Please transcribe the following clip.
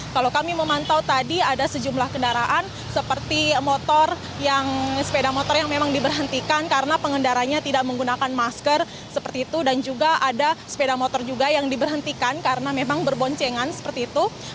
kalau kami memantau tadi ada sejumlah kendaraan seperti motor sepeda motor yang memang diberhentikan karena pengendaranya tidak menggunakan masker seperti itu dan juga ada sepeda motor juga yang diberhentikan karena memang berboncengan seperti itu